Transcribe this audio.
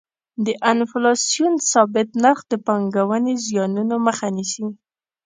د انفلاسیون ثابت نرخ د پانګونې زیانونو مخه نیسي.